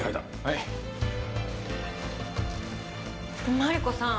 マリコさん